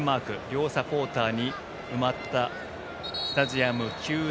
両サポーターに埋まったスタジアム９７４。